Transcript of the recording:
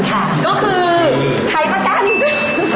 ขายประกัน